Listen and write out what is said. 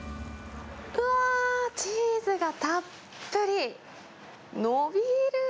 うわー、チーズがたっぷり。